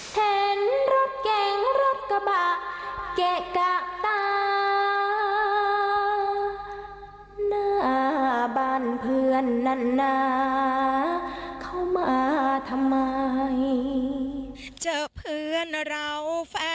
เห็นรถแกงรถกระบะ